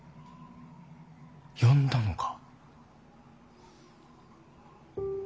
呼んだのか。